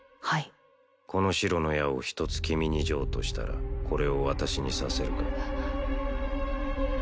はいこの白の矢を一つ君に譲渡したらこれを私に刺せるか？